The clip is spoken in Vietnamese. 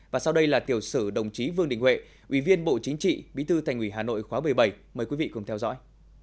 và sau đây là tiểu sử đồng chí vương đình huệ ủy viên bộ chính trị bí thư thành ủy hà nội khóa một mươi bảy mời quý vị cùng theo dõi